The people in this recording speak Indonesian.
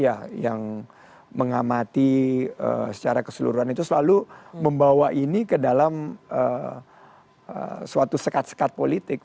ya yang mengamati secara keseluruhan itu selalu membawa ini ke dalam suatu sekat sekat politik